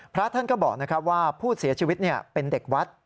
พระท่านก็บอกว่าผู้เสียชีวิตเป็นเด็กวัด